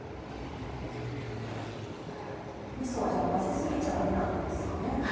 みそはじゃあ混ぜ過ぎちゃダメなんですかね。